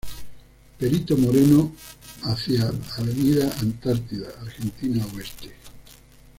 Perito Moreno, hacia Avda. Antártida Argentina Oeste, Bo.